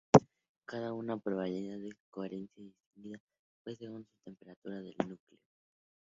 Cada una con una probabilidad de ocurrencia distinta según la temperatura del núcleo.